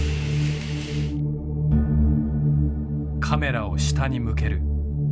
カメラを下に向ける。